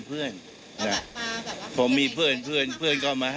ผมมีละเรือน